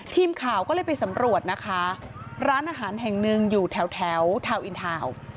ทีมข่าวก็เลยไปสำรวจนะคะร้านอาหารแห่งหนึ่งอยู่แถวทาวนอินทาวน์